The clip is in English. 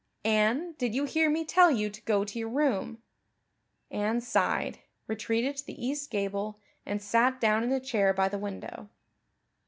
"Anne, did you hear me tell you to go to your room?" Anne sighed, retreated to the east gable, and sat down in a chair by the window.